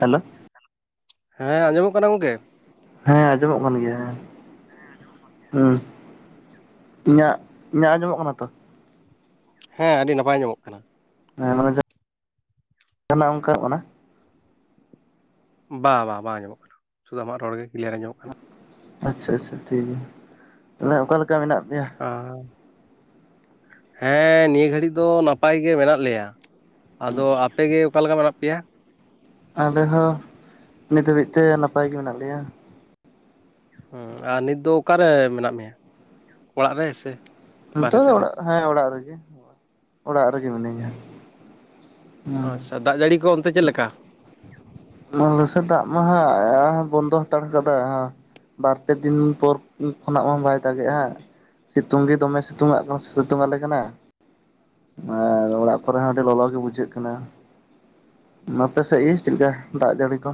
Hello ᱦᱮᱸ ᱟᱸᱡᱚᱢᱚᱼᱜ ᱠᱟᱱᱟ ᱜᱚᱝᱠᱮ? ᱦᱮᱸ ᱟᱸᱡᱚᱢᱚᱜ ᱠᱟᱱ ᱜᱮᱭᱟ᱾ ᱦᱩᱸ ᱤᱧᱟᱹᱜ ᱤᱧᱟᱹᱜ ᱟᱸᱡᱚᱢᱚᱜ ᱠᱟᱱᱟ ᱛᱚ? ᱦᱮᱸ ᱟᱹᱰᱤ ᱱᱟᱯᱟᱭ ᱟᱸᱡᱢᱚᱜ ᱠᱟᱱᱟ᱾ ᱦᱮᱸ ᱢᱟᱱᱮ ᱡᱟᱦᱱᱟᱜ ᱚᱱᱠᱟ ᱠᱟᱱᱟ ᱵᱟ ᱵᱟ ᱵᱟᱝ ᱟᱸᱡᱚᱢᱚᱜ ᱠᱟᱱᱟ᱾ ᱥᱩᱫᱷᱩ ᱟᱢᱟᱜ ᱨᱚᱲ ᱜᱮ ᱠᱞᱤᱭᱟᱨ ᱟᱸᱡᱚᱢᱚᱜ ᱠᱟᱱᱟ᱾ ᱟᱪᱪᱷᱟ, ᱟᱪᱪᱷᱟ ᱴᱷᱤᱠ ᱜᱮᱭᱟ᱾ ᱛᱟᱦᱞᱮ ᱚᱠᱟ ᱞᱮᱠᱟ ᱢᱮᱱᱟᱜ ᱯᱮᱭᱟ? ᱟᱸ ᱦᱮᱸ ᱱᱤᱭᱟᱹ ᱜᱷᱟᱹᱲᱤᱡ ᱫᱚ ᱱᱟᱯᱟᱭ ᱜᱮ ᱢᱮᱱᱟᱼᱜ ᱞᱮᱭᱟ᱾ ᱟᱫᱚ ᱟᱯᱮᱜᱮ ᱚᱠᱟᱞᱮᱠᱟ ᱢᱮᱱᱟ? ᱯᱮᱭᱟ ᱟᱞᱮ ᱦᱚᱸ ᱱᱤᱛ ᱦᱟᱹᱵᱤᱡ ᱛᱮ ᱱᱟᱯᱟᱭ ᱜᱮ ᱢᱮᱱᱟᱜ ᱞᱮᱭᱟ᱾ ᱦᱩᱸ ᱟᱨ ᱱᱤᱛ ᱫᱚ ᱚᱠᱟᱨᱮ ᱢᱮᱱᱟᱜ ᱢᱮᱭᱟ ᱚᱲᱟᱜ ᱨᱮ ᱥᱮ ᱵᱟᱨᱦᱮ ᱱᱤᱛᱚᱜ ᱫᱚ ᱥᱮᱫ ᱨᱮ? ᱚᱲᱟᱜ ᱦᱮᱸ ᱚᱲᱟᱜ ᱨᱮᱜᱮ ᱚᱲᱟᱜ ᱨᱮᱜᱮ ᱢᱤᱱᱟᱹᱧᱟ᱾ ᱦᱩᱸ ᱟᱪᱪᱷᱟ ᱫᱟᱜ ᱡᱟᱹᱲᱤ ᱠᱚ ᱚᱱᱛᱮ ᱪᱮᱫᱮ ᱞᱮᱠᱟ? ᱟᱞᱮ ᱥᱮ ᱫᱟᱜᱽ ᱢᱟᱦᱟᱸᱟᱜ ᱵᱚᱱᱫᱚ ᱦᱟᱛᱟᱲ ᱠᱟᱫᱟ ᱵᱟᱨ ᱯᱮ ᱫᱤᱱ ᱯᱚᱨ ᱠᱷᱚᱱᱟᱜ ᱢᱟ ᱵᱟᱭ ᱫᱟᱜᱮᱜᱼᱟ᱾ ᱥᱤᱛᱩᱝ ᱜᱮ ᱫᱚᱢᱮ ᱥᱤᱛᱩᱝ ᱟᱜ ᱥᱤᱛᱩᱝ ᱟᱞᱮ ᱠᱟᱱᱟ᱾ ᱟᱨ ᱚᱲᱟᱜ ᱠᱚᱨᱮ ᱦᱚᱸ ᱟᱹᱰᱤ ᱞᱚᱞᱚ ᱜᱮ ᱵᱩᱡᱷᱟᱹᱜ ᱠᱟᱱᱟ᱾ ᱟᱯᱮ ᱥᱮᱫ ᱜᱮ ᱪᱮᱫ ᱞᱮᱠᱟ ᱫᱟᱜ ᱡᱟᱹᱲᱤ ᱠᱚ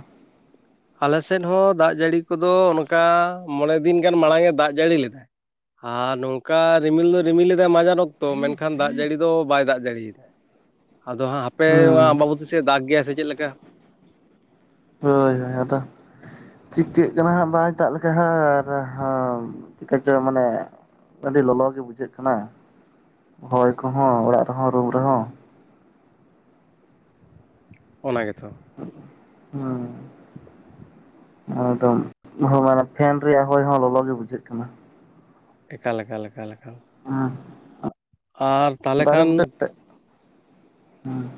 ᱟᱞᱮ ᱥᱮᱫ ᱦᱚᱸ ᱫᱟᱜ ᱡᱟᱹᱲᱤ ᱠᱚᱫᱚ ᱚᱱᱠᱟ ᱢᱚᱬᱮ ᱫᱤᱱ ᱜᱟᱱ ᱢᱟᱲᱟᱝ ᱮ ᱫᱟᱜ ᱡᱟᱹᱲᱤ ᱞᱮᱫᱟᱭ ᱟᱨ ᱱᱚᱝᱠᱟ ᱨᱤᱢᱤᱞ ᱫᱚ ᱨᱤᱢᱤᱞ ᱮᱟᱭ ᱢᱟᱡᱟᱱ ᱚᱠᱛᱚ ᱢᱮᱱᱠᱷᱟᱱ ᱫᱟᱜ ᱡᱟᱹᱲᱤ ᱫᱚ ᱵᱟᱭ ᱫᱟᱜ ᱡᱟᱹᱲᱤᱭᱮᱫᱟᱭ ᱟᱫᱚ ᱦᱟᱸᱜ ᱦᱟᱯᱮ ᱱᱚᱣᱟ ᱦᱩᱸ ᱟᱢᱵᱟᱵᱚᱛᱤ ᱥᱮᱫ ᱫᱟᱜᱽ ᱜᱮᱭᱟ ᱥᱮ ᱪᱮᱫ ᱞᱮᱠᱟ ᱦᱳᱭ ᱦᱳᱭ ᱟᱫᱚ ᱪᱤᱠᱟᱹᱜ ᱠᱟᱱᱟ ᱦᱟᱸᱜ ᱵᱟᱭ ᱫᱟᱜᱽ ᱞᱮᱠᱷᱟ ᱦᱚ ᱟᱨ ᱪᱤᱠᱟᱹᱪᱚ ᱢᱟᱱᱮ ᱟᱹᱰᱤ ᱞᱚᱞᱚᱜᱮ ᱵᱩᱡᱷᱟᱹᱜ ᱠᱟᱱᱟ ᱦᱚᱭ ᱠᱚᱦᱚᱸ ᱚᱲᱟᱜ ᱨᱮᱦᱚᱸ ᱨᱩᱢ ᱨᱮᱦᱚᱸ ᱚᱱᱟ ᱜᱮ ᱛᱚ ᱦᱚᱸ [unintelligible] ᱮᱠᱫᱚᱢ ᱦᱚᱸᱢᱟᱱᱮ ᱯᱷᱮᱱ ᱨᱮᱭᱟᱜ ᱦᱚᱭ ᱦᱚᱸ ᱞᱚᱞᱚ ᱜᱮ ᱵᱩᱡᱷᱟᱹᱜ ᱠᱟᱱᱟ ᱮᱠᱟᱞ ᱞᱮᱠᱟᱞ ᱞᱮᱠᱟᱞ ᱞᱮᱠᱟᱞ ᱦᱩᱸ ᱟᱨ ᱛᱟᱞᱮ ᱠᱷᱟᱱ ᱦᱚᱸ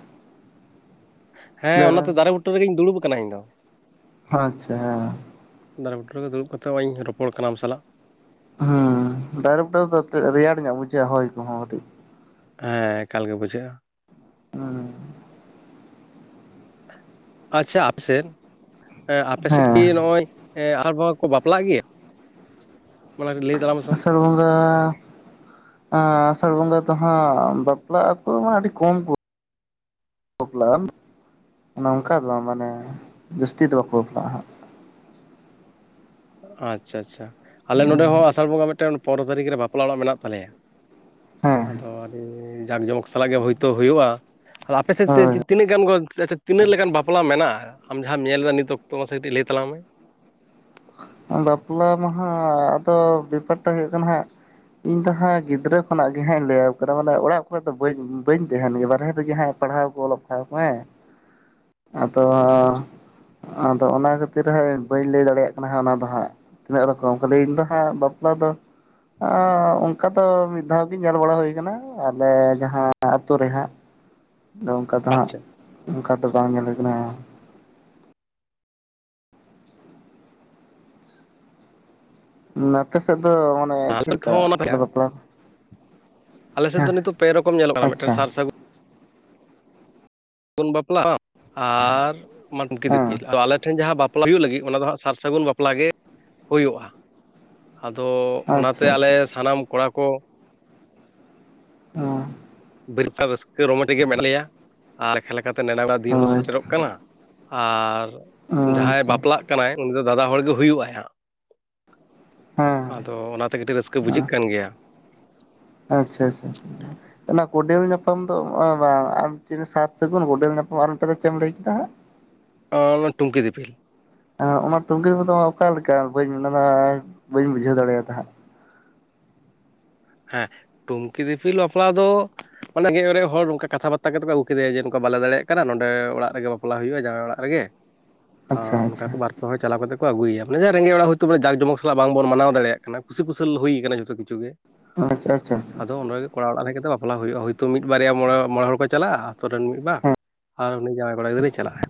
ᱦᱮᱸ ᱚᱱᱟᱛᱮ ᱫᱟᱨᱮ ᱵᱩᱴᱟᱹ ᱨᱮᱜᱮᱧ ᱫᱩᱲᱩᱵ ᱟᱠᱟᱱᱟ ᱤᱧ ᱫᱚ ᱟᱪᱪᱷᱟ ᱦᱮᱸ ᱫᱟᱨᱮ ᱵᱩᱴᱟᱹ ᱨᱮ ᱫᱩᱲᱩᱵ ᱠᱟᱛᱮ ᱱᱚᱜ ᱚᱭ ᱤᱧ ᱨᱚᱯᱚᱲ ᱠᱟᱱᱟ ᱟᱢ ᱥᱟᱞᱟᱜ-ᱟ᱾ ᱦᱚᱸ ᱫᱟᱨᱮ ᱵᱩᱴᱟ ᱨᱮᱫᱚ ᱨᱮᱭᱟᱲ ᱧᱚᱜ ᱵᱩᱡᱷᱟᱹᱜ-ᱟ ᱦᱳᱭ ᱠᱚᱦᱚᱸ ᱠᱟᱹᱴᱤᱡ ᱦᱮᱸ ᱮᱠᱟᱞ ᱜᱮ ᱵᱩᱡᱷᱟᱹᱜ-ᱟ ᱦᱚᱸ ᱟᱪᱪᱷᱟ ᱟᱯᱮ ᱥᱮᱫ ᱮ ᱟᱯᱮᱥᱮᱫ ᱦᱮᱸ ᱠᱤ ᱱᱚᱜ ᱚᱭ ᱮ ᱟᱨ ᱵᱟᱝᱠᱚ ᱵᱟᱯᱞᱟᱜ ᱜᱮᱭᱟ ᱢᱟᱱᱮ ᱞᱟᱹᱭ ᱛᱟᱞᱟᱝ ᱢᱮᱥᱮ ᱟᱥᱟᱲ ᱵᱚᱝᱜᱟ ᱟ ᱟᱥᱟᱲ ᱵᱚᱝᱜᱟ ᱛᱚ ᱦᱟᱸ ᱵᱟᱯᱞᱟ ᱟᱠᱚ ᱢᱟ ᱟᱹᱰᱤ ᱠᱚᱢ ᱠᱚ ᱵᱟᱯᱞᱟ-ᱟ ᱱᱚᱝᱠᱟ ᱫᱚ ᱵᱟᱝ ᱢᱟᱱᱮ ᱡᱟᱹᱥᱛᱤ ᱫᱚ ᱵᱟᱠᱚ ᱵᱟᱯᱞᱟᱜ-ᱟ ᱦᱟᱸᱜ ᱟᱪᱪᱷᱟ ᱟᱪᱪᱷᱟ ᱟᱞᱮ ᱱᱚᱸᱰᱮ ᱦᱚᱸ ᱟᱥᱟᱲ ᱵᱚᱸᱜᱟ ᱢᱤᱫᱴᱮᱱ ᱯᱚᱱᱨᱚ ᱛᱟᱹᱨᱤᱠᱷ ᱨᱮ ᱵᱟᱯᱞᱟ ᱚᱲᱟᱜ ᱢᱮᱱᱟᱜ ᱛᱟᱞᱮᱭᱟ᱾ ᱦᱟᱸᱜ ᱦᱮᱸ ᱟᱫᱚ ᱟᱹᱰᱤ ᱡᱟᱠ ᱡᱚᱢᱚᱠ ᱥᱟᱞᱟᱜ ᱜᱮ ᱦᱳᱭᱛᱳ ᱦᱩᱭᱩᱜ-ᱟ᱾ ᱟᱫᱚ ᱟᱯᱮ ᱥᱮᱫ ᱛᱮᱼᱛᱮ ᱦᱳᱭ ᱛᱤᱱᱟᱹᱜ ᱜᱟᱱ ᱜᱳ ᱟᱪᱪᱷᱟ ᱛᱤᱱᱟᱹᱜ ᱞᱮᱠᱟᱱ ᱵᱟᱯᱞᱟ ᱢᱮᱱᱟᱜ-ᱟ᱾ ᱟᱢ ᱡᱟᱦᱟᱹᱢ ᱧᱮᱞ ᱮᱫᱟ ᱱᱤᱛ ᱚᱠᱛᱚ ᱢᱟᱥᱮ ᱠᱟᱴᱤᱡ ᱞᱟᱹᱭ ᱛᱟᱞᱟᱝ ᱢᱮ᱾ ᱵᱟᱯᱞᱟ ᱢᱟᱦᱟᱸ ᱟᱫᱚ ᱵᱮᱯᱟᱨᱴᱟ ᱦᱩᱭᱩᱜ ᱠᱟᱱᱟ ᱦᱟᱸᱜ ᱤᱧ ᱫᱚ ᱦᱟᱸᱜ ᱜᱤᱫᱽᱨᱟᱹ ᱠᱷᱚᱱᱟᱜ ᱜᱮ ᱦᱟᱸᱜ ᱞᱟᱹᱭᱟᱢ ᱠᱟᱱᱟ ᱢᱟᱱᱮ ᱚᱲᱟᱜ ᱠᱚᱨᱮ ᱫᱚ ᱵᱟᱹᱧᱼᱵᱟᱹᱧ ᱛᱟᱦᱮᱱ ᱜᱮ ᱵᱟᱦᱨᱮ ᱨᱮᱜᱮ ᱦᱟᱸᱜ ᱯᱟᱲᱦᱟᱣ ᱠᱚ ᱚᱞᱚᱜ ᱯᱟᱲᱦᱟᱣ ᱠᱚ ᱦᱮᱸ [inaudible] ᱟᱫᱚ ᱟᱫᱚ ᱚᱱᱟ ᱠᱷᱟᱹᱛᱤᱨ ᱦᱟᱸᱜ ᱵᱟᱹᱧ ᱞᱟᱹᱭ ᱫᱟᱲᱮᱭᱟᱜ ᱠᱟᱱᱟ ᱦᱟᱸᱜ ᱚᱱᱟ ᱦᱟᱸᱜ ᱛᱤᱱᱟᱹᱜ ᱨᱚᱠᱚᱢ ᱠᱷᱟᱹᱞᱤ ᱤᱧ ᱫᱚ ᱦᱟᱸᱜ ᱵᱟᱯᱞᱟ ᱫᱚ ᱟ ᱚᱱᱠᱟ ᱫᱚ ᱢᱤᱫ ᱫᱷᱟᱣ ᱜᱮ ᱧᱮᱞ ᱵᱟᱲᱟ ᱦᱩᱭ ᱠᱟᱱᱟ ᱟᱞᱮ ᱡᱟᱦᱟᱸ ᱟᱛᱩ ᱨᱮ ᱦᱟᱸᱜ [inaudible] ᱟᱫᱚ ᱚᱱᱠᱟ ᱫᱚ ᱦᱟᱸᱜ ᱟᱪᱪᱷᱟ ᱚᱱᱠᱟ ᱫᱚ ᱵᱟᱝ ᱧᱮᱞ ᱦᱩᱭ ᱠᱟᱱᱟ ᱟᱯᱮ ᱥᱮᱫ ᱫᱚ ᱢᱟᱱᱮ ᱟᱞᱮ ᱪᱮᱫ ᱥᱮᱫ ᱞᱮᱠᱟ ᱦᱚᱸ ᱚᱱᱟ ᱵᱟᱯᱞᱟ ᱟᱞᱮ ᱥᱮᱫ ᱦᱮᱸ ᱫᱚ ᱱᱤᱛᱚᱜ ᱯᱮ ᱨᱚᱠᱚᱢ ᱧᱮᱞᱚᱜ ᱠᱟᱱᱟ ᱢᱤᱫᱴᱮᱱ ᱟᱪᱪᱷᱟ ᱥᱟᱨ ᱥᱟᱹᱜᱩᱱ ᱜᱩᱱ ᱵᱟᱯᱞᱟᱜᱼᱟ ᱟᱨ ᱢᱟᱱᱠᱤ ᱫᱤᱯᱤᱞ ᱦᱮᱸ ᱟᱞᱮ ᱴᱷᱮᱱ ᱡᱟᱦᱟᱸ ᱵᱟᱯᱞᱟ ᱵᱟᱯᱞᱟ ᱦᱩᱭᱩᱜ ᱞᱟᱹᱜᱤᱫ ᱚᱱᱟ ᱫᱚ ᱦᱟᱸᱜ ᱥᱟᱨ ᱥᱟᱹᱜᱩᱱ ᱵᱟᱯᱞᱟ ᱜᱮ ᱦᱩᱭᱩᱜ-ᱟ᱾ ᱟᱫᱚ ᱚᱱᱟᱛᱮ ᱟᱪᱪᱷᱟ ᱟᱞᱮ ᱟᱪᱪᱷᱟ ᱥᱟᱱᱟᱢ ᱠᱚᱲᱟ ᱠᱚ ᱦᱚᱸ ᱵᱤᱥᱟᱹᱞ ᱨᱟᱹᱥᱠᱟᱹ ᱨᱚᱢᱚᱡᱽ ᱨᱮᱜᱮ ᱢᱮᱱᱟᱜ ᱞᱮᱭᱟ ᱟᱨ ᱞᱮᱠᱷᱟ ᱞᱮᱠᱷᱟ ᱛᱮ ᱱᱮᱰᱟ ᱫᱤᱱ ᱦᱚᱸ ᱦᱳᱭ ᱥᱮᱴᱮᱨᱚᱜ ᱟᱪᱪᱷᱟ ᱠᱟᱱᱟ ᱟᱨ ᱦᱮᱸ ᱡᱟᱦᱟᱸᱭ ᱵᱟᱯᱞᱟᱜ ᱠᱟᱱᱟᱭ ᱩᱱᱤ ᱫᱚ ᱫᱟᱫᱟ ᱦᱚᱲ ᱜᱮ ᱦᱩᱭᱩᱜ ᱟᱭ ᱦᱟᱸᱜ ᱦᱮᱸ ᱟᱫᱚ ᱚᱱᱟ ᱛᱮ ᱠᱟᱹᱴᱤᱡ ᱨᱟᱹᱥᱠᱟᱹ ᱵᱩᱡᱷᱟᱹᱜ ᱠᱟᱱ ᱜᱮᱭᱟ ᱟᱪᱪᱷᱟ ᱟᱪᱪᱷᱟ [unintelligible] ᱠᱚᱸᱰᱮᱞ ᱧᱟᱯᱟᱢ ᱫᱚ ᱵᱟᱝ ᱟᱨ ᱢᱤᱫᱴᱤᱝ ᱥᱟᱨ ᱥᱟᱹᱜᱩᱱ ᱜᱚᱰᱮᱞ ᱧᱟᱯᱟᱢ ᱟᱨ ᱢᱤᱫᱴᱟᱝ ᱫᱚ ᱪᱮᱫ ᱮᱢ ᱞᱟᱹᱭ ᱠᱮᱫᱟ ᱦᱟᱸᱜ ᱚ ᱚᱱᱟ ᱴᱩᱝᱠᱤ ᱫᱤᱯᱤᱞ ᱟᱨ ᱚᱱᱟ ᱴᱩᱝᱠᱤ ᱫᱤᱯᱤᱞ ᱫᱚ ᱚᱠᱟ ᱞᱮᱠᱟ ᱵᱟᱹᱧ ᱚᱱᱟ ᱫᱚ ᱵᱟᱹᱧ ᱵᱩᱡᱷᱟᱹᱣ ᱫᱟᱲᱮᱭᱟᱫᱟ ᱦᱟᱸᱜ ᱦᱮᱸ ᱴᱩᱝᱠᱤ ᱫᱤᱯᱤᱞ ᱵᱟᱯᱞᱟ ᱫᱚ ᱚᱱᱟᱜᱮ ᱡᱮ ᱦᱚᱲ ᱱᱚᱝᱠᱟ ᱠᱟᱛᱷᱟ ᱵᱟᱛᱟ ᱠᱟᱛᱮ ᱠᱚ ᱟᱹᱜᱩ ᱠᱮᱫᱮᱭᱟ ᱡᱮ ᱱᱚᱝᱠᱟ ᱵᱟᱞᱮ ᱫᱟᱲᱮᱭᱟᱜ ᱠᱟᱱᱟ ᱱᱚᱸᱰᱮ ᱚᱲᱟᱜ ᱨᱮᱜᱮ ᱵᱟᱯᱞᱟ ᱦᱩᱭᱩᱜ-ᱟ ᱡᱟᱶᱭᱟᱭ ᱚᱲᱟᱜ ᱨᱮᱜᱮ ᱟᱪᱪᱷᱟ ᱦᱚᱸ ᱟᱪᱪᱷᱟ ᱚᱱᱠᱟᱛᱚ ᱵᱟᱨ ᱯᱮ ᱦᱚᱲ ᱪᱟᱞᱟᱣ ᱠᱟᱛᱮ ᱠᱚ ᱟᱹᱜᱩᱭᱭᱟ᱾ ᱩᱱᱤᱟᱜ ᱫᱚ ᱨᱮᱸᱜᱮᱡ ᱚᱲᱟᱜ ᱦᱚᱭᱛᱚ ᱡᱟᱠᱡᱚᱢᱚᱠ ᱥᱟᱞᱟᱜ ᱵᱟᱝᱵᱚᱱ ᱢᱟᱱᱟᱣ ᱫᱟᱲᱮᱭᱟᱜ ᱠᱟᱱᱟ ᱠᱩᱥᱤ ᱠᱩᱥᱳᱞ ᱦᱩᱭ ᱠᱟᱱᱟ ᱡᱷᱚᱛᱚ ᱠᱤᱪᱷᱩ ᱜᱮ ᱟᱪᱪᱷᱟ ᱟᱪᱪᱷᱟ ᱟᱫᱚ ᱟᱪᱪᱷᱟ ᱚᱰᱮᱸᱜᱮ ᱠᱚᱲᱟ ᱚᱲᱟᱜ ᱨᱮᱜᱮ ᱫᱚ ᱵᱟᱯᱞᱟ ᱦᱩᱭᱩᱜ-ᱟ ᱦᱳᱭᱛᱳ ᱢᱤᱫ ᱵᱟᱨᱭᱟ ᱢᱚ ᱢᱚᱬᱮ ᱦᱚᱲ ᱠᱚ ᱪᱟᱞᱟᱜ-ᱟ ᱟᱛᱳ ᱨᱮᱱ ᱢᱤᱫ ᱵᱟᱨ ᱟᱨ ᱩᱱᱤ ᱡᱟᱶᱟᱭ ᱠᱚᱲᱟ ᱜᱤᱫᱽᱨᱟᱹᱭ ᱪᱟᱞᱟᱜ-ᱟ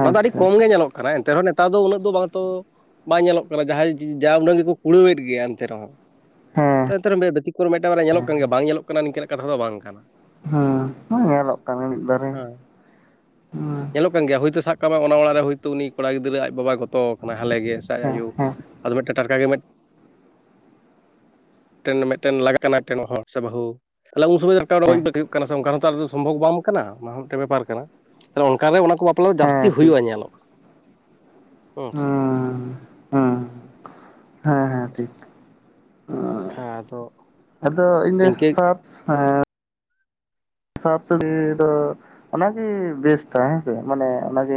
ᱚᱱᱟ ᱫᱚ ᱟᱹᱰᱤ ᱠᱚᱢ ᱟᱪᱪᱷᱟ ᱜᱮ ᱧᱮᱞᱚᱜ ᱠᱟᱱᱟ ᱮᱱᱛᱮ ᱨᱮᱦᱚᱸ ᱱᱮᱛᱟᱨ ᱱᱮᱛᱟᱨ ᱫᱚ ᱩᱱᱟᱹᱜ ᱫᱚ ᱵᱟᱝᱛᱚ ᱵᱟᱭ ᱧᱮᱞᱚᱜ ᱠᱟᱱᱟ ᱡᱟᱦᱟᱸᱭ ᱡᱟ ᱩᱱᱟᱹᱝ ᱜᱮᱠᱚ ᱠᱩᱲᱟᱹᱣᱮᱫ ᱜᱮᱭᱟ ᱮᱱᱛᱮ ᱨᱮᱦᱚᱸ ᱦᱮᱸ [unintelligible] ᱵᱮᱛᱤᱠᱚᱨ ᱢᱤᱫᱴᱟᱝ ᱵᱟᱨᱭᱟ ᱧᱮᱞᱚᱜ ᱦᱮᱸ ᱠᱟᱱ ᱜᱮᱭᱟ ᱵᱟᱝ ᱧᱮᱞᱚᱜ ᱠᱟᱱᱟ ᱱᱤᱝᱠᱟᱹᱱᱟᱜ ᱠᱟᱛᱷᱟ ᱫᱚ ᱵᱟᱝ ᱠᱟᱱᱟ ᱦᱮᱸ ᱧᱮᱞᱚᱜ ᱠᱟᱱᱟ ᱢᱤᱫ ᱵᱟᱨᱮᱭᱟ ᱦᱮᱸ [inaudible] ᱧᱮᱞᱚᱜ ᱠᱟᱱ ᱜᱮᱭᱟ ᱦᱳᱭᱛᱳ ᱥᱟᱵ ᱠᱟᱜ ᱢᱮ ᱚᱱᱟ ᱚᱲᱟᱜ ᱨᱮ ᱦᱳᱭᱛᱳ ᱩᱱᱤ ᱠᱚᱲᱟ ᱜᱤᱫᱽᱨᱟᱹ ᱟᱡ ᱵᱟᱵᱟᱭ ᱜᱚᱛᱚ ᱠᱟᱱᱟᱭ ᱦᱟᱞᱮᱜ ᱜᱮ ᱥᱮ ᱟᱡ ᱟᱭᱳ ᱦᱮᱸ ᱟᱫᱚ ᱢᱤᱫᱴᱮᱱ ᱴᱟᱴᱠᱟ ᱜᱮ ᱢᱤᱫ ᱢᱤᱫᱴᱮᱱ ᱞᱟᱜ ᱠᱟᱱᱟ ᱴᱮᱱ ᱦᱚᱲ ᱥᱮ ᱵᱟᱹᱦᱩ ᱟᱞᱮ ᱩᱱ ᱥᱚᱢᱚᱭ ᱦᱩᱭᱩᱜ ᱠᱟᱱᱟ ᱥᱮ ᱚᱱᱠᱟ ᱥᱚᱢᱵᱷᱚᱵᱽ ᱵᱟᱝ ᱠᱟᱱᱟ ᱚᱱᱟ ᱦᱚᱸ ᱢᱤᱫᱴᱮᱱ ᱵᱮᱯᱟᱨ ᱠᱟᱱᱟ ᱛᱟᱦᱚᱞᱮ ᱚᱱᱠᱟ ᱜᱮ ᱚᱱᱟ ᱠᱚ ᱵᱟᱯᱞᱟ ᱫᱚ ᱡᱟᱹᱥᱛᱤ ᱡᱟᱹᱥᱛᱤ ᱦᱮᱸ ᱴᱷᱤᱠ ᱦᱩᱭᱩᱜᱼᱟ ᱧᱮᱞᱚᱜᱼᱟ ᱦᱮᱸ ᱥᱮ ᱦᱩᱸ ᱦᱩᱸ ᱦᱮᱸ ᱦᱮᱸ ᱴᱷᱤᱠ [inaudible] ᱦᱮ ᱛᱚ ᱟᱫᱚ ᱤᱧ ᱥᱟᱨᱪ ᱥᱟᱨ ᱥᱤ ᱫᱚ ᱚᱱᱟᱜᱮ ᱵᱮᱥᱴᱟ ᱦᱮᱸᱥᱮ ᱢᱟᱱᱮ ᱚᱱᱟᱜᱮ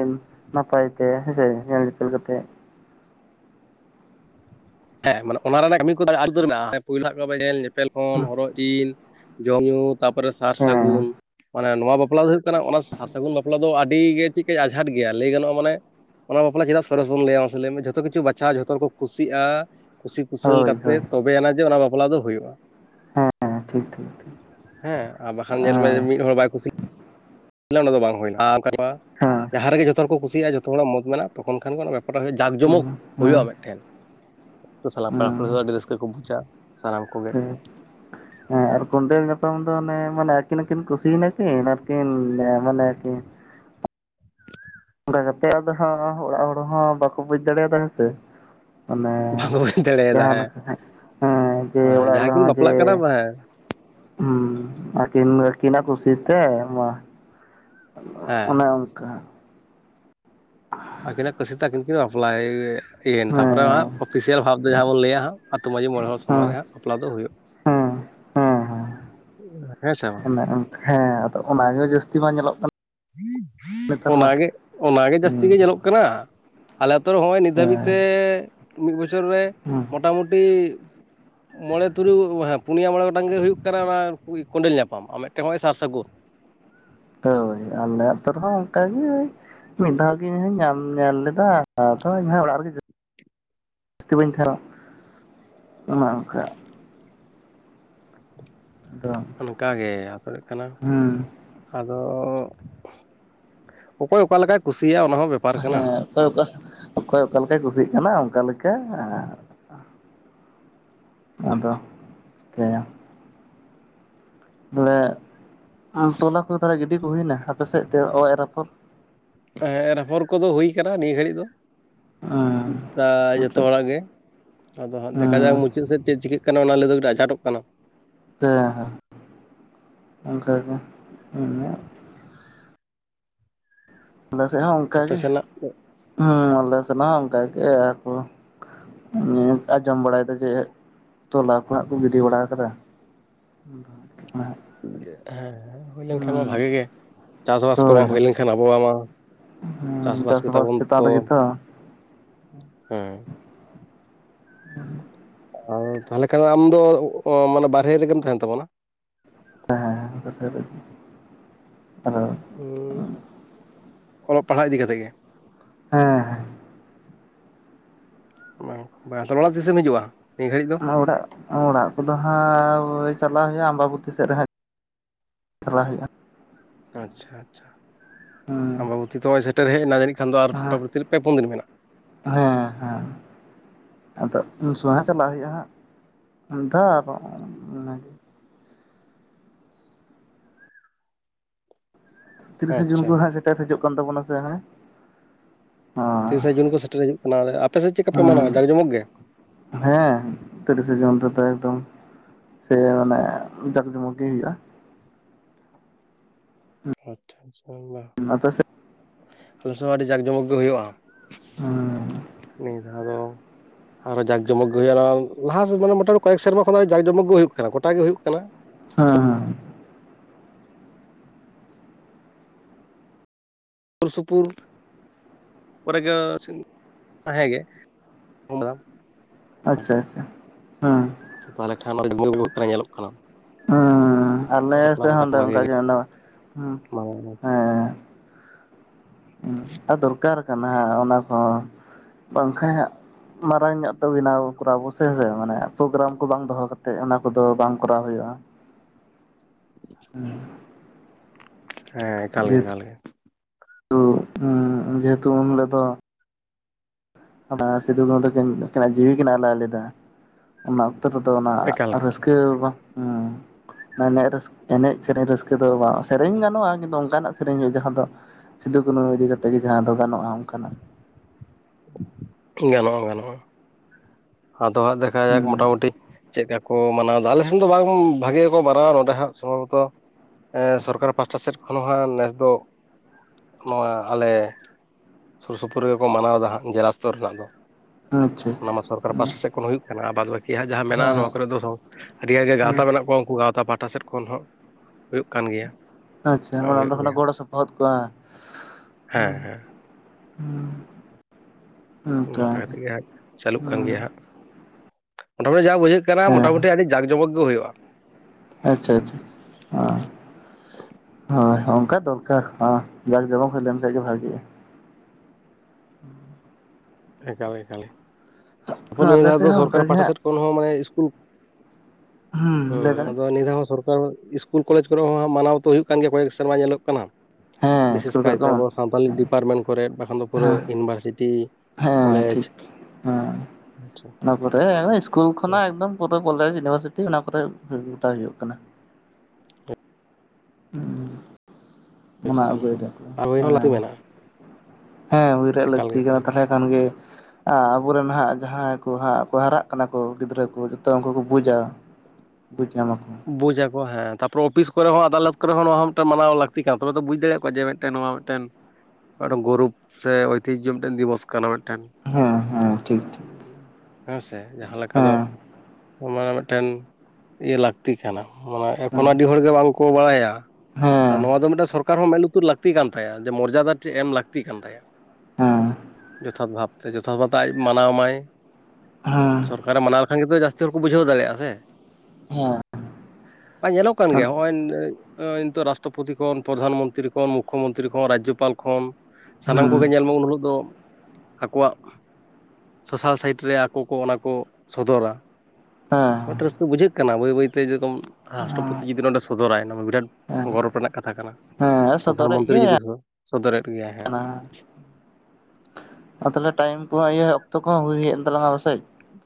ᱱᱟᱯᱟᱭ ᱛᱮ ᱦᱮᱸᱥᱮ ᱧᱮᱞ ᱧᱮᱯᱮᱞ ᱠᱟᱛᱮ ᱦᱮᱸ ᱢᱟᱱᱮ ᱚᱱᱟ ᱨᱮᱱᱟᱜ ᱠᱟᱹᱢᱤ ᱠᱚᱫᱚ [unintelligible] ᱧᱮᱞ ᱧᱮᱯᱮᱞ ᱠᱷᱚᱱ ᱦᱚᱨᱚᱜ ᱡᱤᱱ ᱡᱚᱢ ᱧᱩ ᱛᱟᱯᱚᱨᱮ ᱥᱟᱨ ᱥᱟᱹᱜᱩᱱ ᱦᱮᱸ ᱢᱟᱱᱮ ᱱᱚᱣᱟ ᱵᱟᱯᱞᱟ ᱫᱚ ᱦᱩᱭᱩᱜ ᱠᱟᱱᱟ ᱚᱱᱟ ᱥᱟᱨ ᱥᱟᱹᱜᱩᱱ ᱵᱟᱯᱞᱟ ᱫᱚ ᱟᱹᱰᱤᱜᱮ ᱪᱮᱫ ᱠᱟᱹ ᱟᱡᱡᱷᱟᱴ ᱜᱮᱭᱟ ᱞᱟᱹᱭ ᱜᱟᱱᱚᱜᱼᱟ ᱢᱟᱱᱮ ᱚᱱᱟ ᱵᱟᱯᱞᱟ ᱪᱮᱫᱟᱜ ᱥᱚᱨᱮᱥ ᱵᱚᱱ ᱞᱟᱹᱭᱟ ᱢᱟᱥᱮ ᱞᱟᱹᱭ ᱢᱮ ᱡᱚᱛᱚ ᱠᱤᱪᱷᱩ ᱵᱟᱪᱷᱟᱣ ᱡᱷᱚᱛᱚ ᱦᱚᱲᱠᱚ ᱠᱩᱥᱤᱜᱼᱟ ᱠᱩᱥᱤ ᱠᱩᱥᱟᱹᱞ ᱦᱳᱭ ᱦᱳᱭ ᱠᱟᱛᱮ ᱛᱚᱵᱮᱭᱱᱟ ᱡᱮ ᱚᱱᱟ ᱵᱟᱯᱞᱟ ᱫᱚ ᱦᱩᱭᱩᱜᱼᱟ᱾ ᱦᱮᱸ ᱴᱷᱤᱠ ᱴᱷᱤᱠ ᱴᱷᱤᱠ ᱦᱮᱸ ᱟᱨ ᱵᱟᱠᱷᱟᱱ ᱧᱮᱞ ᱢᱮ ᱦᱮᱸ ᱢᱤᱫ ᱦᱚᱲ ᱵᱟᱭ ᱠᱩᱥᱤᱼᱟ ᱚᱱᱟ ᱫᱚ ᱵᱟᱝ ᱦᱩᱭᱱᱟ ᱦᱮᱸ [unintelligible] ᱡᱟᱦᱟᱸ ᱨᱮᱜᱮ ᱡᱚᱛᱚ ᱦᱚᱲ ᱠᱚ ᱠᱩᱥᱤᱜᱼᱟ ᱡᱚᱛᱚ ᱦᱚᱲᱟᱜ ᱢᱚᱛ ᱢᱮᱱᱟᱜᱼᱟ ᱛᱚᱠᱷᱚᱱ ᱠᱷᱟᱱ ᱜᱮ ᱡᱟᱠ ᱦᱮᱸ ᱡᱚᱢᱚᱠ ᱦᱩᱭᱩᱜᱼᱟ ᱢᱤᱫᱴᱷᱮᱱ [unintelligible] ᱯᱲᱟᱦᱟᱹ ᱟᱹᱰᱤ ᱨᱟᱹᱥᱠᱟᱹ ᱠᱚ ᱵᱩᱡᱟ ᱥᱟᱱᱟᱢ ᱠᱚᱜᱮ ᱦᱮ ᱟᱨ ᱠᱩᱰᱮᱞ ᱧᱟᱯᱟᱢ ᱯᱨᱚᱛᱚᱢ ᱫᱚ ᱚᱱᱮ ᱢᱟᱱᱮ ᱟᱹᱠᱤᱱᱠᱤᱱ ᱠᱩᱥᱤᱭᱱᱟᱹᱠᱤᱱ ᱟᱨᱠᱤᱱ ᱢᱟᱱᱮ ᱟᱨᱠᱤᱱ ᱤᱱᱟᱹ ᱠᱟᱛᱮ ᱟᱫᱚ ᱦᱟᱸᱜ ᱚᱲᱟᱜ ᱦᱚᱲ ᱦᱚᱸ ᱵᱟᱠᱚ ᱵᱩᱡᱽ ᱫᱟᱲᱮᱭᱟᱫᱟ ᱦᱮᱸ ᱥᱮ ᱢᱟᱱᱮ ᱵᱟᱠᱚ ᱵᱩᱡᱽ ᱫᱟᱲᱮᱭᱟᱫᱟ ᱡᱟᱦᱟᱸ ᱦᱮᱸ ᱞᱮᱠᱟ ᱦᱟᱸᱜ ᱦᱮᱸ ᱡᱮ ᱦᱮᱸ, ᱚᱲᱟᱜ ᱡᱟᱦᱟᱸᱭ ᱠᱤᱱ ᱨᱮᱦᱚᱸ ᱡᱮ ᱵᱟᱯᱞᱟᱜ ᱠᱟᱱᱟ ᱦᱮᱸ ᱦᱩᱸ ᱟᱹᱠᱤᱱ ᱟᱹᱠᱤᱱᱟᱜ ᱠᱩᱥᱤᱛᱮ ᱢᱟ ᱦᱮᱸ ᱚᱱᱮ ᱚᱱᱠᱟ ᱟᱹᱠᱤᱱᱟᱜ ᱠᱩᱥᱤ ᱛᱮ ᱟᱹᱠᱤᱱ ᱠᱤᱱ ᱵᱟᱯᱞᱟᱭ ᱤᱭᱟᱹᱭᱱᱟ ᱛᱟᱯᱚᱨᱮ ᱦᱮᱸ ᱚᱯᱷᱤᱥᱤᱭᱟᱞ ᱵᱷᱟᱵᱽ ᱫᱚ ᱡᱟᱦᱟᱸ ᱵᱚᱱ ᱞᱟᱹᱭᱟ ᱦᱟᱸᱜ ᱟᱛᱳ ᱢᱟᱹᱡᱷᱤ ᱢᱚᱬᱮ ᱦᱚᱲ ᱥᱟᱢᱟᱝ ᱦᱮᱸ ᱨᱮ ᱦᱟᱸᱜ ᱵᱟᱯᱞᱟ ᱫᱚ ᱦᱩᱭᱩᱜ-ᱟ᱾ ᱦᱮᱸ ᱦᱮᱸ ᱚᱱᱮ ᱦᱮᱸ ᱟᱫᱚ ᱚᱱᱟ ᱜᱮ ᱡᱟᱹᱥᱛᱤ ᱢᱟ ᱧᱮᱞᱚᱜ ᱠᱟᱱᱟ᱾ ᱱᱮᱛᱟᱨ ᱢᱟ ᱚᱱᱟᱜᱮ ᱚᱱᱟᱜᱮ ᱡᱟᱹᱥᱛᱤ ᱦᱩᱸ ᱜᱮ ᱧᱮᱞᱚᱜ ᱠᱟᱱᱟ ᱟᱞᱮᱛᱳ ᱱᱚᱜᱼᱚᱭ ᱱᱤᱛ ᱫᱷᱟᱹᱵᱤᱡ ᱛᱮ ᱦᱮᱸ ᱢᱤᱫ ᱵᱚᱪᱷᱚᱨ ᱨᱮ ᱦᱩᱸ ᱢᱳᱴᱟᱢᱩᱴᱤ ᱢᱚᱬᱮ ᱛᱩᱨᱩᱭ ᱦᱮᱸ ᱯᱩᱱᱭᱟ ᱢᱚᱬᱮ ᱜᱚᱴᱟᱝ ᱜᱮ ᱦᱩᱭᱩᱜ ᱠᱟᱱᱟ ᱚᱱᱟ ᱠᱚᱸᱰᱮᱞ ᱧᱟᱯᱟᱢ ᱟᱨ ᱢᱤᱫᱴᱟᱝ ᱱᱚᱜᱼᱚᱭ ᱥᱟᱨ ᱥᱟᱹᱜᱩᱱ [inaudible] ᱦᱳᱭ ᱟᱞᱮᱛᱳ ᱨᱮᱦᱚᱸ ᱚᱱᱠᱟᱜᱮ ᱢᱤᱫ ᱫᱷᱟᱣ ᱜᱮ ᱤᱧ ᱧᱟᱢ ᱧᱮᱞ ᱞᱮᱫᱟ ᱟᱫᱚ ᱤᱧ ᱦᱚᱸ ᱚᱲᱟᱜ ᱨᱮᱜᱮ ᱡᱟᱹᱥᱛᱤ [inaudible] ᱡᱟᱹᱥᱛᱤ ᱵᱟᱹᱧ ᱛᱟᱦᱮᱱᱟ ᱚᱱᱮ ᱚᱱᱠᱟ ᱟᱫᱚ ᱚᱱᱠᱟᱜᱮ ᱟᱥᱚᱜᱚᱜ ᱠᱟᱱᱟ᱾ ᱦᱮᱸ ᱟᱫᱚ ᱚᱠᱚᱭ ᱚᱠᱟ ᱞᱮᱠᱟᱭ ᱠᱩᱥᱤ ᱦᱮᱸ ᱚᱠᱚᱭ ᱚᱠᱟ ᱚᱠᱚᱭ ᱚᱠᱟ ᱞᱮᱠᱟᱭ ᱠᱤᱥᱤ-ᱟ ᱠᱩᱥᱤᱜ ᱠᱟᱱᱟ ᱚᱱᱠᱟ ᱞᱮᱠᱟ ᱟᱫᱚ ᱪᱤᱠᱟᱹᱭᱟᱢ ᱵᱚᱞᱮ ᱴᱚᱞᱟ ᱠᱚ ᱛᱚᱞᱮ ᱜᱤᱰᱤ ᱠᱚ ᱦᱩᱭᱱᱟ ᱟᱯᱮ ᱥᱮᱫ ᱛᱮ ᱚ ᱮᱨ ᱟᱯᱷᱚᱨ ᱦᱮ ᱮᱨ ᱟᱯᱷᱚᱨ ᱦᱩᱭ ᱠᱟᱱᱟ ᱱᱤᱭᱟᱹ ᱜᱷᱟᱹᱲᱤᱡ ᱫᱚ ᱦᱩᱸ [unintelligible] ᱡᱷᱚᱛᱚ ᱟᱪᱪᱷᱟ ᱦᱚᱲᱟᱜ ᱜᱮ ᱟᱫᱚ ᱦᱟᱸᱜ ᱫᱮᱠᱷᱟ ᱡᱟ ᱦᱩᱸ ᱢᱩᱪᱟᱹᱫ ᱥᱮᱫ ᱪᱮᱫ ᱪᱤᱠᱟᱹ [unintelligible] ᱠᱟᱱᱟ᱾ ᱯᱮ ᱚᱱᱠᱟᱜᱮ ᱤᱧᱟᱜ ᱟᱞᱮ ᱥᱮᱫ ᱦᱚᱸ ᱟᱯᱮ ᱚᱱᱠᱟᱜᱮ ᱥᱮᱱᱟᱜ ᱦᱮᱸ ᱟᱞᱮ ᱥᱮᱫ ᱦᱚᱸ ᱚᱱᱠᱟᱜᱮ ᱮᱨ ᱯᱚᱨ ᱟᱸᱡᱚᱢ ᱵᱟᱲᱟᱭᱮᱫᱟ ᱡᱮ ᱛᱚᱞᱟ ᱠᱚ ᱦᱟᱜ ᱠᱚ ᱜᱤᱰᱤ ᱵᱟᱲᱟ ᱠᱟᱫᱟ [inaudible] ᱦᱮᱸ ᱦᱮᱸ ᱦᱩᱭ ᱞᱮᱱᱠᱷᱟᱱ ᱢᱟ ᱵᱷᱟᱜᱮ ᱜᱮ ᱪᱟᱥᱵᱟᱥ ᱠᱚ ᱦᱳᱭ ᱵᱟᱝ ᱦᱩᱭ ᱦᱳᱭ ᱞᱮᱱᱠᱷᱟᱱ ᱟᱵᱚᱣᱟᱜ ᱢᱟ ᱦᱩᱸ ᱪᱟᱥᱵᱟᱥ ᱜᱮᱛᱟᱵᱚᱱ ᱪᱮᱛᱟᱱ ᱛᱚ ᱨᱮᱜᱮ ᱦᱮᱸ ᱦᱚᱭ ᱛᱟᱦᱞᱮ ᱠᱷᱟᱱ ᱟᱢ ᱫᱚ ᱢᱟᱱᱮ ᱵᱟᱦᱨᱮ ᱨᱮᱜᱮᱢ ᱛᱟᱦᱮᱱ ᱛᱟᱵᱚᱱᱟ ᱦᱮᱸ ᱦᱮᱸ ᱦᱮᱸ ᱵᱟᱦᱨᱮ ᱨᱮ ᱦᱩ ᱚᱞᱚᱜ ᱯᱟᱲᱦᱟᱣ ᱤᱫᱤ ᱠᱟᱛᱮ ᱜᱮ ᱦᱮᱸ ᱦᱮᱸ ᱵᱟᱝ ᱵᱟᱝ ᱛᱚᱵᱮ ᱚᱲᱟᱜ ᱛᱤᱥᱮᱢ ᱦᱤᱡᱩᱜᱼᱟ ᱱᱤᱭᱟᱹ ᱜᱷᱟᱹᱲᱤᱡ ᱫᱚ ᱚᱲᱟᱜ ᱚᱲᱟᱜ ᱠᱚᱫᱚ ᱦᱟᱸᱜ ᱪᱟᱞ ᱪᱟᱞᱟᱣ ᱦᱩᱭᱩᱜᱼᱟ ᱟᱢᱵᱟᱵᱚᱛᱤ ᱥᱮᱫ ᱨᱮ ᱦᱟᱜ ᱪᱟᱞᱟᱣ ᱦᱩᱭᱩᱜᱼᱟ ᱟᱪᱪᱷᱟ ᱟᱪᱪᱷᱟ ᱦᱩᱸ ᱟᱢ ᱵᱟᱵᱩᱚᱛᱤ ᱛᱚᱚᱭ ᱥᱮᱴᱮᱨ ᱦᱮᱡ ᱮᱱᱟ ᱡᱟᱹᱱᱤᱡ ᱠᱷᱟᱱ ᱫᱚ ᱟᱨ ᱦᱮᱸ ᱢᱚᱴᱟᱢᱩᱛᱤ ᱯᱮ ᱯᱳᱱ ᱫᱤᱱ ᱢᱮᱱᱟᱜᱼᱟ ᱦᱮᱸ ᱩᱱᱥᱚᱢᱳᱭ ᱦᱟᱜ ᱪᱟᱞᱟᱣ ᱦᱩᱭᱩᱜᱼᱟ ᱦᱟᱸᱜ ᱩᱱᱫᱚ ᱫᱷᱟ ᱟᱨ ᱚᱱᱟᱜᱮ ᱛᱤᱨᱤᱥᱮ ᱡᱩᱱ ᱟᱪᱪᱷᱟ ᱠᱚ ᱦᱟᱜ ᱥᱮᱴᱮᱨ ᱦᱤᱡᱩᱜ ᱠᱟᱱ ᱛᱟᱵᱳᱱᱟ ᱥᱮ ᱦᱮᱸ ᱛᱤᱨᱤᱥᱟ ᱡᱩᱱ ᱠᱚ ᱥᱮᱴᱮᱨ ᱦᱤᱡᱩᱜ ᱠᱟᱱᱟ ᱟᱯᱮ ᱥᱮᱫ ᱪᱮᱫᱠᱟ ᱯᱮ ᱢᱟᱱᱟᱣᱟ ᱦᱮᱸ ᱡᱟᱸᱠ ᱡᱚᱢᱚᱠ ᱜᱮ ᱦᱮᱸ ᱛᱤᱨᱤᱥᱮ ᱡᱩᱱ ᱨᱮᱫᱚ ᱮᱠᱫᱚᱢ ᱥᱮ ᱢᱟᱱᱮ ᱡᱟᱠ ᱡᱚᱢᱚᱠ ᱜᱮ ᱦᱩᱭᱩᱜᱼᱟ᱾ ᱟᱪᱪᱷᱟ ᱟᱪᱪᱷᱟ ᱵᱟᱝ ᱦᱩ ᱟᱯᱮ ᱥᱮᱫ ᱟᱞᱮ ᱥᱮᱫ ᱦᱚ ᱟᱹᱰᱤ ᱡᱟᱸᱠ ᱡᱚᱢᱚᱠ ᱜᱮ ᱦᱩᱭᱩᱜᱼᱟ ᱦᱮᱸ ᱱᱤᱭᱟᱹ ᱫᱷᱟᱣ ᱫᱚ ᱟᱨᱦᱚ ᱡᱟᱠ ᱡᱚᱢᱚᱠ ᱜᱮ ᱦᱩᱭᱩᱜᱼᱟ ᱞᱟᱦᱟ ᱢᱟᱱᱮ ᱢᱚᱴᱟᱢᱴᱤ ᱠᱚᱭᱮᱠ ᱥᱮᱨᱢᱟ ᱠᱷᱚᱱᱟᱜ ᱡᱟᱠ ᱡᱚᱢᱚᱠ ᱜᱮ ᱦᱩᱭᱩᱜ ᱠᱟᱱᱟ ᱜᱚᱴᱟ ᱜᱮ ᱦᱩᱭᱩᱜ ᱠᱟᱱᱟ ᱦᱮᱸ ᱦᱮᱸ ᱥᱩᱨ ᱥᱩᱯᱩᱨ ᱯᱚᱨᱮ ᱜᱮ ᱦᱮᱸᱜᱮ [unintelligible] ᱟᱪᱪᱷᱟ ᱟᱪᱪᱷᱟ ᱦᱮᱸ ᱟ ᱛᱟᱦᱚᱞᱮ ᱠᱷᱟᱱ ᱚᱱᱟ [unintelligible] ᱠᱟᱱᱟ ᱧᱮᱞᱚᱜ ᱠᱟᱱᱟ ᱦᱩ ᱟᱞᱮ ᱥᱮᱫ ᱥᱟᱯᱲᱟᱣ ᱦᱚ ᱫᱟᱠᱚ ᱚᱰᱮ ᱵᱷᱟᱜᱮ ᱜᱮ ᱚᱱᱠᱟᱜᱮ ᱚᱱᱟ ᱦᱮᱸ ᱦᱮᱸ ᱟᱨ ᱫᱚᱨᱠᱟᱨ ᱠᱟᱱᱟ ᱚᱱᱟ ᱠᱚᱦᱚᱸ ᱵᱟᱝᱠᱷᱟᱭ ᱦᱟᱸᱜ ᱢᱟᱨᱟᱝ ᱧᱚᱜ ᱛᱮ ᱵᱮᱱᱟᱣ ᱠᱚᱨᱟᱣ ᱵᱚᱱ ᱥᱮᱥᱮ ᱢᱟᱱᱮ ᱯᱨᱳᱜᱨᱟᱢ ᱠᱚ ᱵᱟᱝ ᱫᱚᱦᱚ ᱠᱟᱛᱮᱫ ᱚᱱᱟ ᱠᱚᱫᱚ ᱵᱟᱝ ᱠᱚᱨᱟᱣ ᱦᱩᱭᱩᱜᱼᱟ᱾ [inaudible] ᱦᱮᱸ ᱦᱮᱸ ᱮᱠᱟᱞ ᱜᱮ ᱮᱠᱟᱞ ᱜᱮ᱾ [unintelligible] ᱡᱮᱦᱮᱛᱩ ᱩᱱ ᱦᱤᱞᱳᱜ ᱫᱚ ᱚᱱᱟ ᱥᱤᱫᱩᱠᱟᱱᱩ ᱛᱟᱹᱠᱤᱱ ᱟᱹᱠᱤᱱᱟᱜ ᱡᱤᱣᱤ ᱠᱤᱱ ᱟᱞᱟᱭ ᱞᱮᱫᱟ ᱚᱱᱟ ᱚᱠᱛᱚ ᱨᱮᱫᱚ ᱚᱱᱟ ᱮᱠᱟᱞ ᱜᱮ ᱨᱟᱹᱥᱠᱟᱹ ᱵᱟᱝ [inaudible] ᱢᱟᱱᱮ ᱮᱱᱮᱡ ᱥᱮᱨᱮᱧ ᱨᱟᱹᱥᱠᱟᱹ ᱫᱚ ᱵᱟᱝ ᱥᱮᱨᱮᱧ ᱜᱟᱱᱚᱜᱼᱟ ᱠᱤᱱᱛᱩ ᱚᱱᱠᱟᱱᱟᱜ ᱥᱮᱨᱮᱧ ᱦᱩᱭᱩᱜᱼᱟ ᱡᱟᱦᱟᱸ ᱫᱚ ᱥᱤᱫ ᱥᱤᱫᱩ ᱠᱟᱱᱩ ᱤᱫᱤ ᱠᱟᱛᱮ ᱜᱮ ᱡᱟᱦᱟᱸ ᱫᱚ ᱜᱟᱱᱚᱜᱼᱟ ᱚᱱᱠᱟᱱᱟᱜ ᱜᱟᱱᱚᱜᱼᱟ ᱜᱟᱱᱚᱜᱼᱟ ᱟᱫᱚ ᱦᱟᱸᱜ ᱫᱮᱠᱷᱟᱭ ᱡᱟᱠ ᱦᱩᱸ ᱢᱚᱴᱟᱟᱢᱩᱴᱤ ᱪᱮᱫᱠᱟ ᱠᱚ ᱢᱟᱱᱟᱣ ᱟᱞᱮ ᱥᱮᱱ ᱫᱚ ᱵᱟᱝ ᱵᱷᱟᱜᱤ ᱜᱮᱠᱚ ᱵᱟᱱᱟᱣᱟ ᱱᱚᱰᱮ ᱦᱟᱸᱜ ᱥᱚᱢᱵᱷᱚᱵᱚᱛᱚ ᱮ ᱥᱚᱨᱠᱟᱨ ᱯᱟᱥᱴᱟ ᱥᱮᱫ ᱠᱷᱚᱱ ᱦᱚᱸ ᱦᱟᱜ ᱱᱮᱥ ᱫᱚ ᱱᱚᱣᱟ ᱟᱞᱮ ᱥᱩᱨ ᱥᱩᱯᱩᱨ ᱨᱮᱜᱮ ᱠᱚ ᱢᱟᱱᱟᱣᱫᱟ ᱦᱟᱸᱜ ᱡᱮᱞᱟ ᱥᱛᱚᱨ ᱨᱮᱱᱟᱜ ᱫᱚ ᱟᱪᱪᱷᱟ ᱚᱱᱟ ᱢᱟ ᱥᱚᱨᱠᱟᱨ ᱯᱟᱥᱴᱟ ᱥᱮᱫ ᱠᱷᱚᱱ ᱦᱩᱭᱩᱜ ᱠᱟᱱᱟ [unintelligible] ᱵᱟᱫ ᱵᱟᱹᱠᱤ ᱦᱟᱜ ᱡᱟᱦᱟᱸ ᱟᱪᱪᱷᱟ ᱢᱮᱱᱟᱜᱼᱟ ᱱᱚᱣᱟ ᱠᱚᱨᱮ ᱫᱚ ᱟᱹᱰᱤᱜᱟᱱ ᱜᱮ ᱜᱟᱶᱛᱟ ᱦᱮᱸ ᱢᱮᱱᱟᱜ ᱠᱚᱣᱟ ᱩᱱᱠᱩ ᱜᱟᱶᱛᱟ ᱯᱟᱦᱴᱟ [unintelligible] ᱥᱮᱫ ᱠᱷᱚᱱ ᱦᱚᱸ ᱦᱩᱭᱩᱜ ᱠᱟᱱ ᱜᱮᱭᱟ ᱟᱪᱪᱷᱟ [unintelligible] ᱦᱩᱭᱩᱜ ᱚᱱᱰᱮ ᱠᱷᱚᱱᱟᱜ ᱜᱮᱭᱟ ᱜᱚᱲ ᱥᱚᱯᱚᱦ ᱠᱚ ᱵᱟᱝ ᱦᱮᱸ ᱦᱮᱸ [unintelligible] ᱱᱚᱝᱠᱟ ᱠᱟᱛᱮᱫ ᱜᱮ ᱦᱟᱸᱜ ᱪᱟᱹᱞᱩᱜ ᱠᱟᱱ ᱜᱮᱭᱟ ᱦᱩᱸ ᱦᱟᱸᱜ᱾ ᱢᱚᱴᱟᱢᱩᱴᱤ ᱡᱟ ᱵᱩᱡᱷᱟᱹᱜ ᱠᱟᱱᱟ ᱢᱚᱴᱟᱢᱩᱴᱤ ᱦᱮᱸ ᱟᱹᱰᱤ ᱡᱟᱸᱠ ᱡᱚᱢᱚᱠ ᱜᱮ ᱦᱩᱭᱩᱜᱼᱟ ᱾ ᱟᱪᱪᱷᱟ ᱟᱪᱪᱷᱟ ᱦᱚᱸ ᱦᱚᱭ ᱚᱱᱠᱟ ᱫᱚᱨᱠᱟᱨ ᱾ ᱡᱟᱠ ᱦᱚᱸ ᱡᱟᱠ ᱡᱚᱢᱚᱠ ᱞᱮᱱ ᱠᱷᱟᱡ ᱜᱮ ᱵᱷᱟᱜᱤᱭᱟ ᱾ [inaudible] ᱮᱠᱟᱞ ᱮᱠᱟᱞ ᱮ ᱟᱵᱚ ᱱᱤᱭᱟᱹ ᱟᱞᱮ ᱫᱷᱟᱣ ᱥᱮᱫ ᱫᱚ ᱦᱚᱸ ᱚᱱᱠᱟ ᱥᱚᱨᱠᱟᱨ ᱜᱮ ᱯᱟᱦᱴᱟ ᱦᱟᱸᱜ ᱥᱮᱫ ᱠᱷᱚᱱ ᱦᱚᱸ ᱦᱩᱸ ᱞᱟᱹᱭ [unintelligible] ᱵᱮᱱ ᱟᱫᱚ ᱱᱤᱭᱟ ᱫᱷᱟᱣ ᱦᱚᱸ ᱥᱚᱨᱠ ᱤᱥᱠᱩᱞ ᱠᱚᱞᱮᱡᱽ ᱠᱚᱨᱮ ᱦᱚᱸ ᱢᱟᱱᱟᱣ ᱫᱚ ᱦᱩᱭᱩᱜ ᱠᱟᱱ ᱜᱮᱭᱟ [unintelligible] ᱥᱮᱨᱢᱟ ᱧᱮᱞᱚᱜ ᱠᱟᱱᱟ᱾ ᱦᱮᱸ ᱵᱤᱥᱮᱥ ᱤᱥᱠᱩᱞ ᱠᱷᱚᱡ ᱠᱟᱭ ᱠᱚ ᱛᱮ ᱠᱚᱢᱚᱱ ᱟᱵᱚ ᱥᱟᱱᱛᱟᱞᱤ ᱰᱤᱯᱟᱨᱢᱮᱱᱴ ᱠᱚᱨᱮ ᱵᱟᱠᱷᱟᱱ ᱫᱚ ᱯᱩᱨᱟᱹ ᱦᱮᱸ ᱤᱭᱩᱱᱤᱵᱷᱟᱨᱥᱤᱴᱤ ᱦᱮᱸ ᱠᱚᱞᱮᱡᱽ ᱴᱷᱤᱠ ᱦᱮᱸ ᱟᱪᱪᱷᱟ ᱚᱱᱟ ᱠᱚᱨᱮ ᱤᱥᱠᱩᱞ ᱠᱷᱚᱱᱟᱜ ᱮᱫᱚᱢ [unintelligible] ᱭᱩᱱᱤᱵᱷᱟᱨᱥᱤᱴᱤ ᱚᱱᱟ ᱠᱚᱨᱮ ᱜᱚᱴᱟ ᱦᱩᱭᱩᱜ ᱠᱟᱱᱟ [unintelligible] ᱢᱟᱱᱟᱣ ᱟᱹᱜᱩ ᱭᱮᱫᱟᱠᱚ ᱟᱨ ᱦᱩᱭ ᱦᱚᱸ ᱦᱮᱸ ᱞᱟᱹᱠᱛᱤ ᱢᱮᱱᱟᱜᱼᱟ ᱦᱮᱸ ᱦᱩᱭ ᱨᱮᱭᱟᱜ ᱮᱠᱟᱞ ᱜᱮ ᱞᱟᱹᱠᱛᱤ ᱮᱠᱟᱞ ᱠᱟᱱᱟ ᱜᱮ ᱛᱟᱦᱚᱞᱮ ᱠᱷᱟᱱᱜᱮ ᱟᱵᱚᱨᱮᱱ ᱦᱟᱸᱜ ᱡᱟᱦᱟᱸᱭ ᱠᱚ ᱦᱟᱸᱜ ᱦᱟᱨᱟᱜ ᱠᱟᱱᱟ ᱠᱚ ᱜᱤᱫᱽᱨᱟᱹ ᱠᱚ ᱡᱚᱛᱚ ᱩᱱᱠᱩ ᱠᱚ ᱵᱩᱡᱟ ᱾ [unintelligible] ᱵᱩᱡᱟᱠᱚ ᱦᱮᱸ ᱛᱚᱯ ᱚᱯᱷᱤᱥ ᱠᱚᱨᱮ ᱦᱚᱸ ᱟᱫᱟᱞᱚᱛ ᱠᱚᱨᱮ ᱦᱚᱸ ᱱᱚᱣᱟ ᱦᱚᱸ ᱢᱤᱫᱴᱮᱱ ᱢᱟᱱᱟᱣ ᱞᱟᱹᱠᱛᱤ ᱠᱟᱱᱟ ᱛᱚᱵᱮ ᱛᱚ ᱵᱩᱡᱽ ᱫᱟᱲᱮᱭᱟᱜ-ᱟ ᱠᱚ ᱡᱮ ᱢᱤᱫᱴᱮᱱ ᱱᱚᱣᱟ ᱢᱤᱫᱴᱮᱱ ᱢᱤᱫᱴᱟᱝ ᱜᱚᱨᱚᱵᱽ ᱥᱮ ᱳᱭᱛᱤᱦᱡᱚ ᱢᱤᱫᱴᱮᱱ ᱫᱤᱵᱚᱥ ᱠᱟᱱᱟ ᱢᱤᱫ ᱢᱤᱫᱴᱟᱝ ᱦᱮᱸ ᱦᱮᱸ ᱴᱷᱤᱠ ᱴᱷᱤᱠ [unintelligible] ᱦᱮᱥᱮ ᱡᱟᱦᱟᱸ ᱞᱮᱠᱟ ᱫᱚ ᱦᱮᱸ ᱚᱱᱟ ᱢᱤᱫᱴᱮᱱ ᱤᱭᱟᱹ ᱞᱟᱹᱠᱛᱤ ᱠᱟᱱᱟ ᱢᱟᱱᱮ ᱦᱮᱸ ᱮᱠᱷᱚᱱ ᱟᱹᱰᱤ ᱦᱚᱲ ᱜᱮ ᱵᱟᱝ ᱠᱚ ᱵᱟᱲᱟᱭᱟ ᱦᱮᱸ ᱾ ᱟᱨ ᱦᱮᱸ ᱱᱚᱣᱟ ᱫᱚ ᱢᱤᱫᱴᱟᱱ ᱥᱚᱨᱠᱟᱨ ᱦᱚᱸ ᱢᱮᱫ ᱞᱩᱛᱩᱨ ᱞᱟᱹᱠᱛᱤ ᱠᱟᱱ ᱛᱟᱭᱟ ᱡᱮ ᱢᱚᱨᱡᱟᱫᱟ ᱴᱮᱜ ᱮᱢ ᱞᱟᱹᱠᱛᱤ ᱠᱟᱱ ᱛᱟᱭᱟ᱾ ᱦᱮᱸ ᱡᱚᱛᱷᱟᱛ ᱵᱷᱟᱵᱽᱛᱮ ᱡᱚᱛᱷᱟᱛ ᱵᱷᱟᱵᱛᱮ ᱟᱡ ᱢᱟᱱᱟᱣ ᱢᱟᱭ᱾ ᱦᱮᱸ ᱥᱚᱨᱠᱟᱨ ᱮ ᱢᱟᱱᱟᱣ ᱞᱮᱠᱷᱟᱱ ᱜᱮᱛᱚ ᱡᱟᱹᱥᱛᱤ ᱦᱚᱲᱠᱚ ᱵᱩᱡᱷᱟᱹᱣ ᱫᱟᱲᱮᱭᱟᱜᱼᱟ ᱥᱮ ᱵᱟᱝ ᱧᱮᱞᱚᱜ ᱠᱟᱱ ᱦᱮᱸ ᱜᱮᱭᱟ ᱦᱚᱸᱜᱼᱚᱭ ᱱᱤᱛᱚᱜ ᱨᱟᱥᱴᱨᱚᱯᱚᱛᱤ ᱠᱷᱚᱱ ᱯᱨᱚᱫᱷᱟᱱ ᱢᱚᱱᱛᱨᱤ ᱠᱷᱚᱱ ᱢᱩᱠᱷᱚ ᱢᱚᱱᱛᱨᱤ ᱠᱷᱚᱱ ᱨᱟᱡᱽᱚ ᱱᱮᱯᱟᱞ ᱠᱷᱚᱱ ᱥᱟᱱᱟᱢ ᱦᱮᱸ ᱠᱚᱜᱮ ᱧᱮᱞ ᱢᱟᱵᱚ ᱩᱱ ᱦᱤᱞᱚᱜ ᱫᱚ ᱟᱠᱚᱣᱟᱜ ᱥᱳᱥᱟᱞ ᱥᱟᱭᱤᱴ ᱨᱮ ᱟᱠᱚ ᱠᱚ ᱚᱱᱟ ᱠᱚ ᱥᱚᱫᱚᱨᱟ᱾ [unintelligible] ᱨᱟᱹᱥᱠᱟᱹ ᱵᱩᱡᱷᱟᱹᱜ ᱠᱟᱱᱟ ᱵᱟᱹᱭ ᱵᱟᱹᱭᱛᱮ ᱡᱮᱨᱚᱠᱚᱢ ᱨᱟᱥᱴᱨᱚᱯᱚᱛᱤ ᱡᱩᱫᱤ ᱱᱚᱸᱰᱮ ᱥᱚᱫᱚᱨᱟᱭ ᱱᱚᱣᱟ ᱵᱤᱨᱟᱴ ᱦᱮᱸ ᱜᱚᱨᱚᱵᱽ ᱨᱮᱱᱟᱜ ᱠᱟᱛᱷᱟ ᱠᱟᱱᱟ᱾ ᱦᱮᱸ ᱯᱨᱚᱫᱷᱟᱱ ᱥᱚᱫᱚᱨᱮᱫ ᱢᱚᱱᱛᱨᱤ ᱡᱩᱫᱤ ᱜᱮᱭᱟᱭ ᱥᱚᱫᱚᱨᱮᱫ ᱜᱮᱭᱟᱭ ᱦᱮᱸ ᱟᱨ ᱛᱟᱞᱮ ᱴᱟᱭᱤᱢ ᱠᱚᱦᱚᱸ ᱤᱭᱟᱹ ᱚᱠᱛᱚ ᱠᱚᱦᱚᱸ ᱦᱩᱭ ᱦᱩᱭᱮᱱ ᱛᱟᱞᱟᱝᱟ ᱯᱟᱥᱮᱡ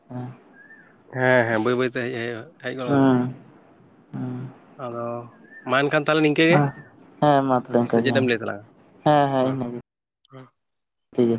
ᱦᱚᱸ ᱦᱮᱸ ᱦᱮᱸ ᱵᱟᱹᱭ ᱵᱟᱹᱭᱛᱮ ᱦᱮᱡ ᱦᱮᱡ ᱜᱚᱫᱚᱜᱟᱱ ᱦᱩᱸ ᱟᱫᱚ ᱢᱟ ᱮᱱᱠᱷᱟᱱ ᱛᱟᱦᱚᱞᱮ ᱱᱤᱝᱠᱟᱹ ᱜᱮ ᱦᱮᱸ ᱢᱟ ᱛᱚᱵᱮ ᱥᱮ ᱤᱱᱠᱟ ᱜᱮ ᱪᱮᱫ ᱮᱢ ᱞᱟᱹᱭ ᱛᱟᱞᱟᱝᱟ ᱦᱮᱸ ᱦᱮᱸ ᱤᱱᱟᱹᱜᱮ᱾ ᱦᱮᱸ ᱴᱷᱤᱠ ᱜᱮᱭᱟ᱾